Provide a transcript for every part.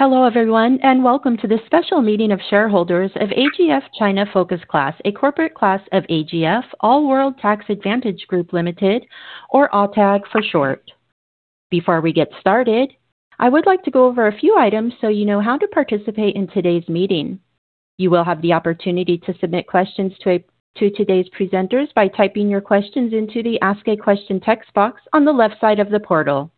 Hello, everyone, welcome to the special meeting of shareholders of AGF China Focus Class, a corporate class of AGF All World Tax Advantage Group Limited, or ATAG for short. Before we get started, I would like to go over a few items so you know how to participate in today's meeting. You will have the opportunity to submit questions to today's presenters by typing your questions into the Ask a Question text box on the left side of the portal.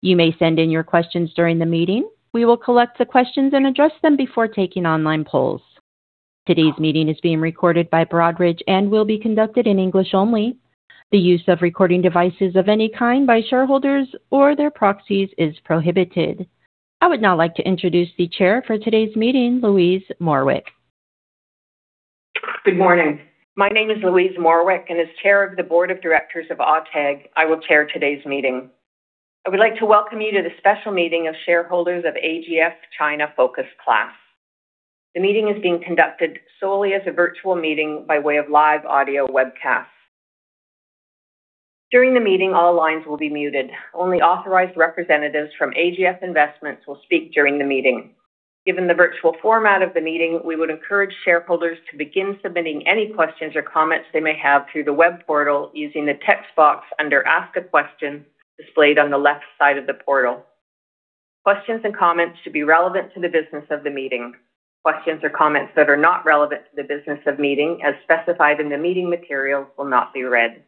You may send in your questions during the meeting. We will collect the questions and address them before taking online polls. Today's meeting is being recorded by Broadridge and will be conducted in English only. The use of recording devices of any kind by shareholders or their proxies is prohibited. I would now like to introduce the Chair for today's meeting, Louise Morwick. Good morning. My name is Louise Morwick, and as Chair of the Board of Directors of ATAG, I will chair today's meeting. I would like to welcome you to the special meeting of shareholders of AGF China Focus Class. The meeting is being conducted solely as a virtual meeting by way of live audio webcast. During the meeting, all lines will be muted. Only authorized representatives from AGF Investments will speak during the meeting. Given the virtual format of the meeting, we would encourage shareholders to begin submitting any questions or comments they may have through the web portal using the text box under Ask a Question displayed on the left side of the portal. Questions and comments should be relevant to the business of the meeting. Questions or comments that are not relevant to the business of meeting as specified in the meeting materials will not be read.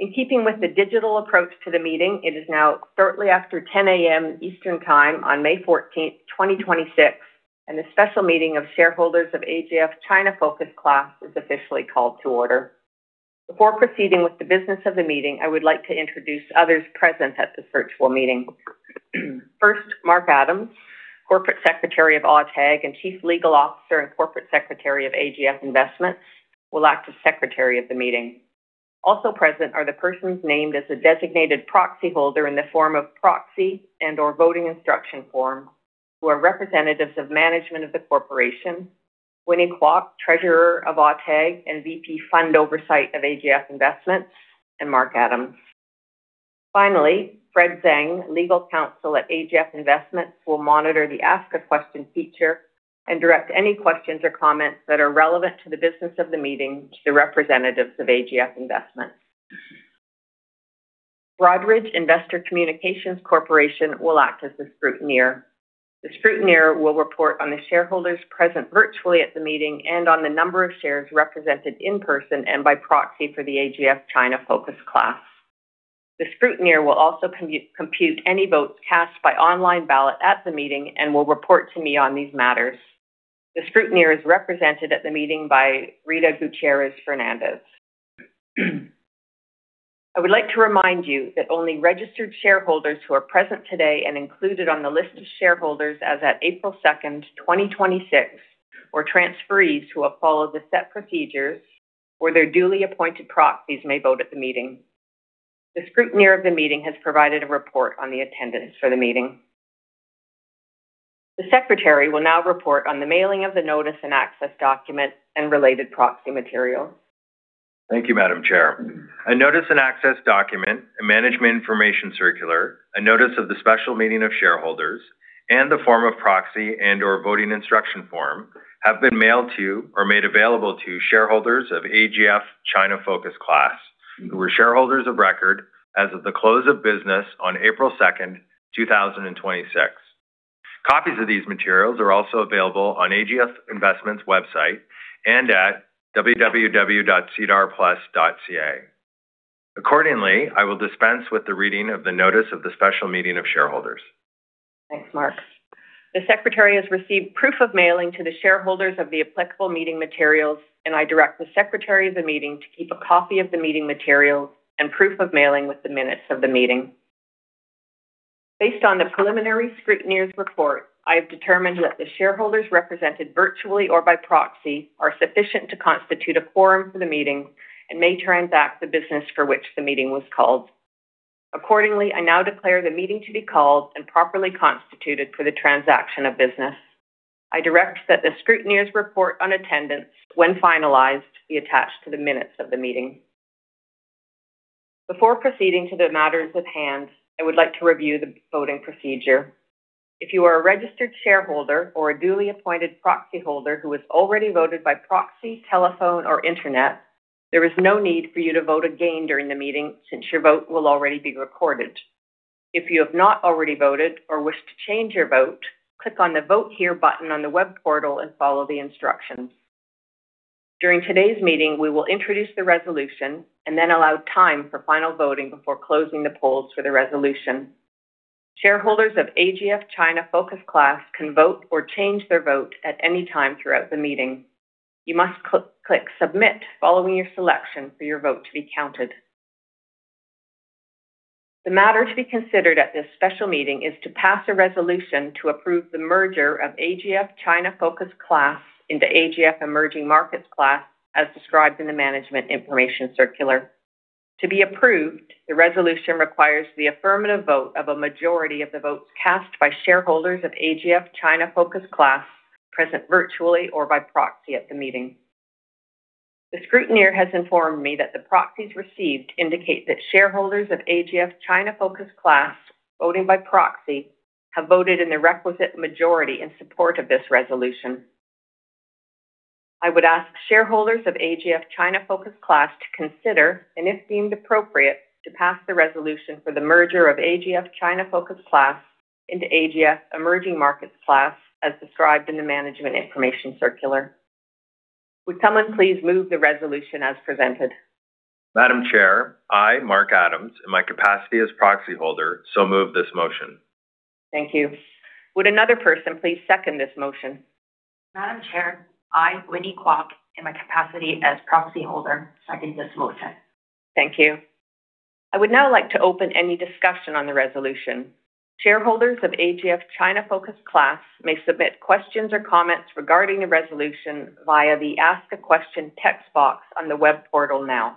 In keeping with the digital approach to the meeting, it is now shortly after 10:00 A.M. Eastern Time on May 14th, 2026, and the special meeting of shareholders of AGF China Focus Class is officially called to order. Before proceeding with the business of the meeting, I would like to introduce others present at this virtual meeting. First, Mark Adams, Corporate Secretary of ATAG and Chief Legal Officer and Corporate Secretary of AGF Investments, will act as secretary of the meeting. Also present are the persons named as a designated proxyholder in the form of proxy and/or voting instruction form, who are representatives of management of the corporation; Winnie Kwok, Treasurer of ATAG and VP, Fund Oversight of AGF Investments; and Mark Adams. Finally, Fred Zeng, legal counsel at AGF Investments, will monitor the Ask a Question feature and direct any questions or comments that are relevant to the business of the meeting to the representatives of AGF Investments. Broadridge Investor Communications Corporation will act as the scrutineer. The scrutineer will report on the shareholders present virtually at the meeting and on the number of shares represented in person and by proxy for the AGF China Focus Class. The scrutineer will also compute any votes cast by online ballot at the meeting and will report to me on these matters. The scrutineer is represented at the meeting by Rita Gutierrez Fernandez. I would like to remind you that only registered shareholders who are present today and included on the list of shareholders as at April 2nd, 2026, or transferees who have followed the set procedures or their duly appointed proxies may vote at the meeting. The scrutineer of the meeting has provided a report on the attendance for the meeting. The secretary will now report on the mailing of the notice-and-access document and related proxy material. Thank you, Madam Chair. A notice-and-access document, a Management Information Circular, a notice of the special meeting of shareholders, and the form of proxy and/or voting instruction form have been mailed to or made available to shareholders of AGF China Focus Class who were shareholders of record as of the close of business on April 2nd, 2026. Copies of these materials are also available on AGF Investments website and at www.sedarplus.ca. Accordingly, I will dispense with the reading of the notice of the special meeting of shareholders. Thanks, Mark. The secretary has received proof of mailing to the shareholders of the applicable meeting materials, and I direct the secretary of the meeting to keep a copy of the meeting materials and proof of mailing with the minutes of the meeting. Based on the preliminary scrutineer's report, I have determined that the shareholders represented virtually or by proxy are sufficient to constitute a quorum for the meeting and may transact the business for which the meeting was called. Accordingly, I now declare the meeting to be called and properly constituted for the transaction of business. I direct that the scrutineer's report on attendance, when finalized, be attached to the minutes of the meeting. Before proceeding to the matters at hand, I would like to review the voting procedure. If you are a registered shareholder or a duly appointed proxyholder who has already voted by proxy, telephone, or internet, there is no need for you to vote again during the meeting since your vote will already be recorded. If you have not already voted or wish to change your vote, click on the Vote Here button on the web portal and follow the instructions. During today's meeting, we will introduce the resolution and then allow time for final voting before closing the polls for the resolution. Shareholders of AGF China Focus Class can vote or change their vote at any time throughout the meeting. You must click Submit following your selection for your vote to be counted. The matter to be considered at this special meeting is to pass a resolution to approve the merger of AGF China Focus Class into AGF Emerging Markets Class as described in the Management Information Circular. To be approved, the resolution requires the affirmative vote of a majority of the votes cast by shareholders of AGF China Focus Class present virtually or by proxy at the meeting. The scrutineer has informed me that the proxies received indicate that shareholders of AGF China Focus Class voting by proxy have voted in the requisite majority in support of this resolution. I would ask shareholders of AGF China Focus Class to consider, and if deemed appropriate, to pass the resolution for the merger of AGF China Focus Class into AGF Emerging Markets Class as described in the Management Information Circular. Would someone please move the resolution as presented? Madam Chair, I, Mark Adams, in my capacity as proxyholder, so move this motion. Thank you. Would another person please second this motion? Madam Chair, I, Winnie Kwok, in my capacity as proxyholder, second this motion. Thank you. I would now like to open any discussion on the resolution. Shareholders of AGF China Focus Class may submit questions or comments regarding the resolution via the Ask a Question text box on the web portal now.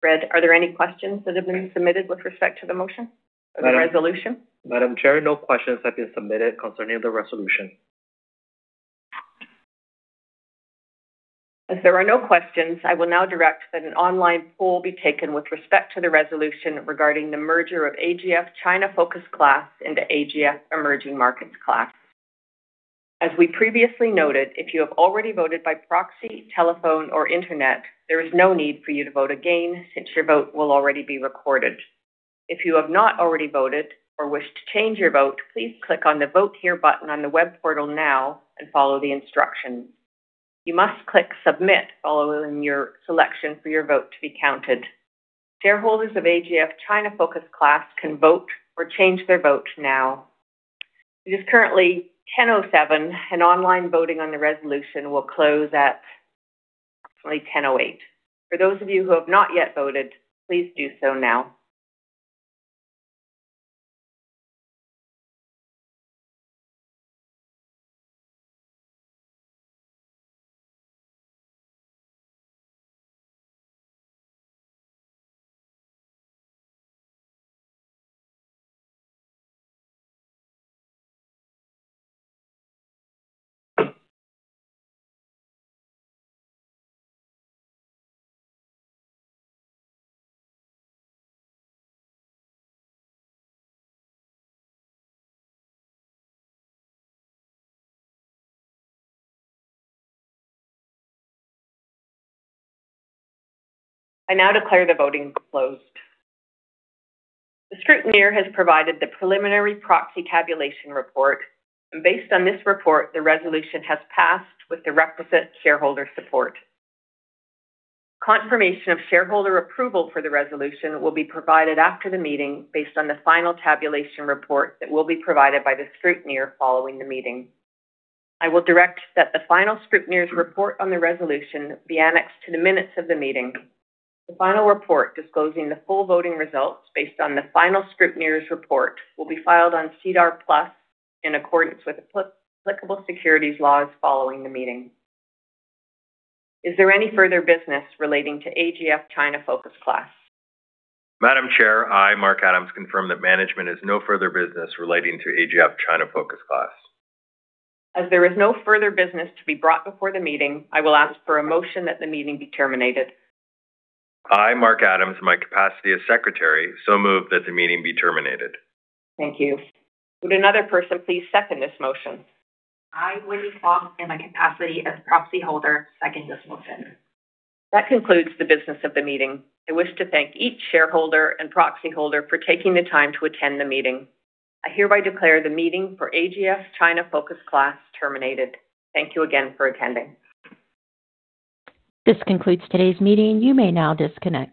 Fred, are there any questions that have been submitted with respect to the motion, the resolution? Madam Chair, no questions have been submitted concerning the resolution. As there are no questions, I will now direct that an online poll be taken with respect to the resolution regarding the merger of AGF China Focus Class into AGF Emerging Markets Class. As we previously noted, if you have already voted by proxy, telephone, or internet, there is no need for you to vote again since your vote will already be recorded. If you have not already voted or wish to change your vote, please click on the Vote Here button on the web portal now and follow the instructions. You must click Submit following your selection for your vote to be counted. Shareholders of AGF China Focus Class can vote or change their vote now. It is currently 10:07 A.M., and online voting on the resolution will close at 10:08 A.M.. For those of you who have not yet voted, please do so now. I now declare the voting closed. The scrutineer has provided the preliminary proxy tabulation report. Based on this report, the resolution has passed with the requisite shareholder support. Confirmation of shareholder approval for the resolution will be provided after the meeting based on the final tabulation report that will be provided by the scrutineer following the meeting. I will direct that the final scrutineer's report on the resolution be annexed to the minutes of the meeting. The final report disclosing the full voting results based on the final scrutineer's report will be filed on SEDAR+ in accordance with applicable securities laws following the meeting. Is there any further business relating to AGF China Focus Class? Madam Chair, I, Mark Adams, confirm that management has no further business relating to AGF China Focus Class. As there is no further business to be brought before the meeting, I will ask for a motion that the meeting be terminated. I, Mark Adams, in my capacity as secretary, so move that the meeting be terminated. Thank you. Would another person please second this motion? I, Winnie Kwok, in my capacity as proxyholder, second this motion. That concludes the business of the meeting. I wish to thank each shareholder and proxyholder for taking the time to attend the meeting. I hereby declare the meeting for AGF China Focus Class terminated. Thank you again for attending. This concludes today's meeting. You may now disconnect.